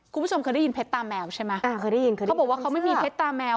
คุณผู้ชมเคยได้ยินเพชรตาแมวใช่ไหมอ่าเคยได้ยินเคยไหมเขาบอกว่าเขาไม่มีเพชรตาแมว